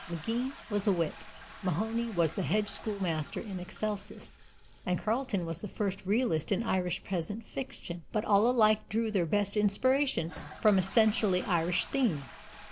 Maginn was a wit, Mahony was the hedge schoolmaster in excelsis, and Carleton was the first realist in Irish peasant fiction. But all alike drew their best inspiration from essentially Irish themes.